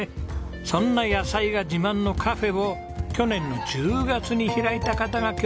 そんな野菜が自慢のカフェを去年の１０月に開いた方が今日の主人公です。